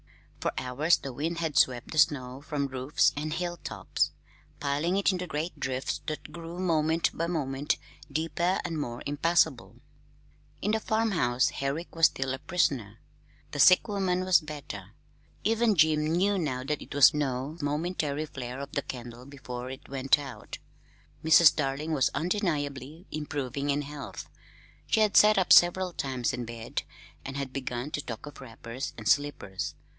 For hours the wind had swept the snow from roofs and hilltops, piling it into great drifts that grew moment by moment deeper and more impassable. In the farmhouse Herrick was still a prisoner. The sick woman was better. Even Jim knew now that it was no momentary flare of the candle before it went out. Mrs. Darling was undeniably improving in health. She had sat up several times in bed, and had begun to talk of wrappers and slippers.